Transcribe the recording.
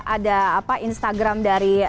ada instagram dari